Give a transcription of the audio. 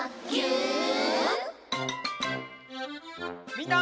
みんな。